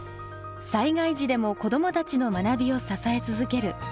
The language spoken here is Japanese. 災害時でも子どもたちの学びを支え続ける。